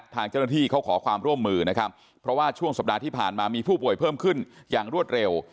ทางเจ้าหน้าที่เขาขอความร่วมมือนะครับเพราะว่าช่วงสัปดาห์ที่ผ่านมามีผู้ป่วยเพิ่มขึ้นอย่างรวดเร็ว